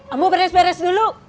amu beres beres dulu